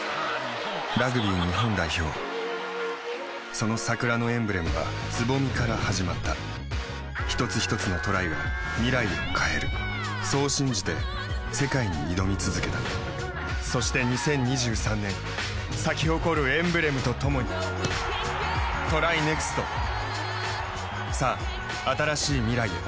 その桜のエンブレムは蕾から始まった一つひとつのトライが未来を変えるそう信じて世界に挑み続けたそして２０２３年咲き誇るエンブレムとともにＴＲＹＮＥＸＴさあ、新しい未来へ。